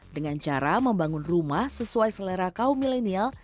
dengan cara membangun rumah sesuai selera kaum milenial